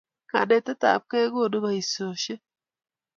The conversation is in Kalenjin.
Kanetet ab kei kokonu boishoshek